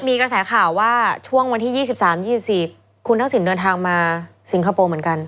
มีกระแสข่าวว่าช่วงวันที่๒๓๒๔คุณทักษิณเดินทางมาสิงคโปร์เหมือนกัน